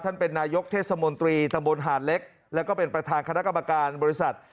เป็นนายกเทศมนตรีตำบลหาดเล็กแล้วก็เป็นประธานคณะกรรมการบริษัท